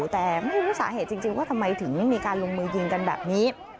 แต่ไม่รู้สาเหตุจริงว่าทำไมถึงมีการลงมือยิงกันแบบนี้